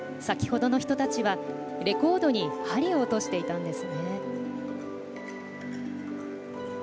先ほどの人たちは、レコードに針を落としていたんですね。